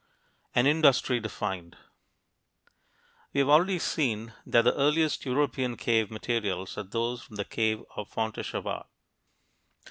AN "INDUSTRY" DEFINED We have already seen that the earliest European cave materials are those from the cave of Fontéchevade.